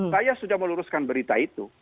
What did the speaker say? saya sudah meluruskan berita itu